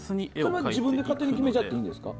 それは自分で勝手に決めちゃっていいんですか？